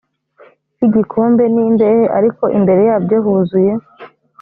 y igikombe n imbehe ariko imbere yabyo huzuye